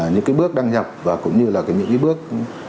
những cái bước đăng nhập và cũng như là những cái bước